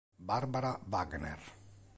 Barbara Wagner